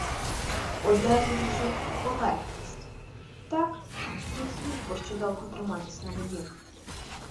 Одразу відчув полегкість; так він зміг би ще довго триматися на воді.